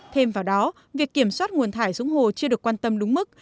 thêm vào đó việc kiểm soát nguồn thải xuống hồ chưa được quan tâm đúng mức